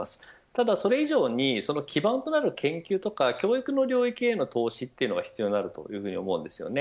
ただそれ以上に基盤となる研究とか教育の領域への投資というのが必要だと思います。